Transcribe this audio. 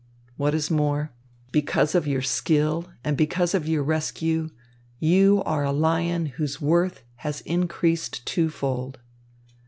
What is more, because of your skill and because of your rescue, you are a lion whose worth has increased twofold."